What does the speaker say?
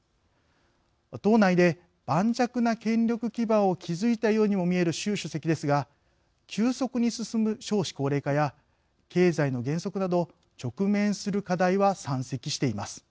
党内で盤石な権力基盤を築いたようにも見える習主席ですが急速に進む少子高齢化や経済の減速など直面する課題は山積しています。